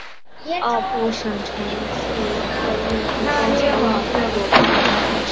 奥布省城际客运提供前往特鲁瓦的大巴车。